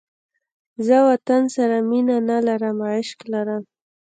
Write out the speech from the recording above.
زه وطن سره مینه نه لرم، عشق لرم